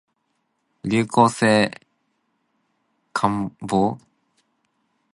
流行性感冒